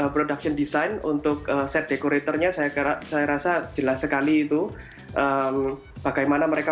production design untuk set dekoratornya saya kira saya rasa jelas sekali itu bagaimana mereka